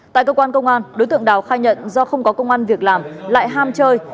tại cơ quan công an đối tượng đào khai nhận do không có công an việc làm lại ham chơi